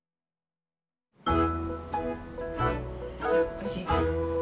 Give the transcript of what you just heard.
おいしい？